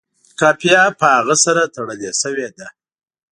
قافیه په هغه سره تړلې شوې ده.